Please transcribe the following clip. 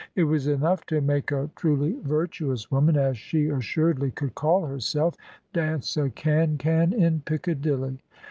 It was enough to make a truly virtuous woman, as she assuredly could call herself, dance a can can in Piccadilly.